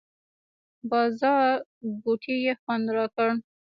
بازارګوټي یې خوند راکړ.